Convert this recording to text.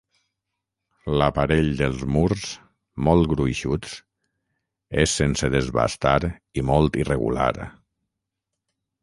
L'aparell dels murs, molt gruixuts, és sense desbastar i molt irregular.